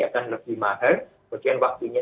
akan lebih mahal kemudian waktunya